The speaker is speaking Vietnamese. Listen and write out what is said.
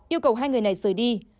yêu cầu hai người này rời đi